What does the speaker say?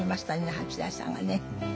八大さんがね。